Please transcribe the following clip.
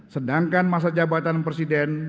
sedangkan masa jabatan presiden